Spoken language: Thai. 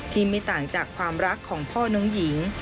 ไม่ต่างจากความรักของพ่อน้องหญิง